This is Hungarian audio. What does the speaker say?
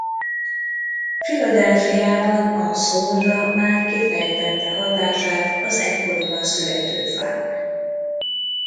Philadelphiában a soulra már kifejtette hatását az ekkoriban születő funk.